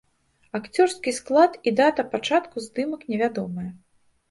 Акцёрскі склад і дата пачатку здымак невядомыя.